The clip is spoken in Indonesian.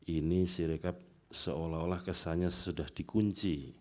ini sirekap seolah olah kesannya sudah dikunci